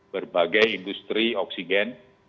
berbagai industri oksigen